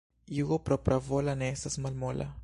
Jugo propravola ne estas malmola.